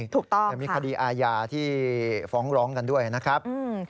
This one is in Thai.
ถูกต้องค่ะมีคดีอาญาที่ฟ้องร้องกันด้วยนะครับ